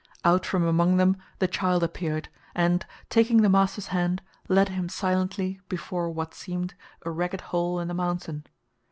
Out from among them the child appeared, and, taking the master's hand, led him silently before what seemed a ragged hole in the mountain.